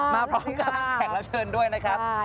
มาพร้อมกับแขกรับเชิญด้วยนะครับ